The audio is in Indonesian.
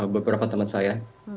beberapa teman saya